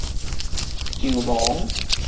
上雺